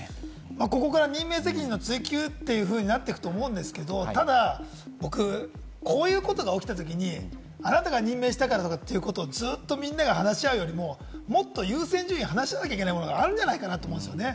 ここから任命責任の追及ってなっていくと思うんですけれども、ただ、こういうことが起きたときに、あなたが任命したからとかということをずっとみんなが話し合うよりも、もっと優先順位、話し合わなきゃいけないものがあるんじゃないかと思うんですよね。